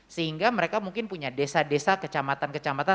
sehingga mereka mungkin punya desa desa kecamatan kecamatan